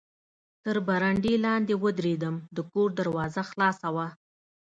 تر برنډې لاندې و درېدم، د کور دروازه خلاصه وه.